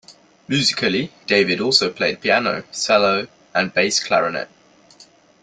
Musically, Davie also played piano, cello and bass clarinet.